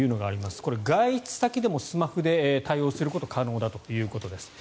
これ、外出先でもスマホで対応することが可能だということです。